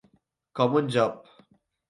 Com un Job.